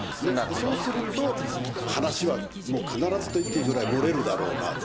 そうすると、話はもう必ずと言っていいぐらい漏れるだろうなと。